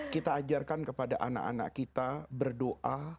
kita ajarkan kepada anak anak kita berdoa